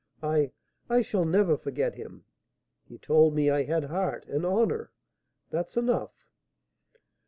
_ I I shall never forget him. He told me I had heart and honour, that's enough."